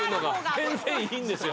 全然良いんですよ。